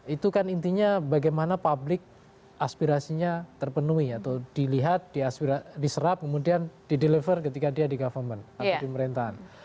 itu kan intinya bagaimana publik aspirasinya terpenuhi atau dilihat diserap kemudian dideliver ketika dia di government atau di pemerintahan